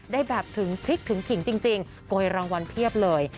ได้แบบถึงพริกถึงขิงจริงโกยรางวัลเพียบเลย